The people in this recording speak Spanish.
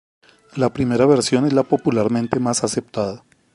La primera versión es la popularmente más aceptada.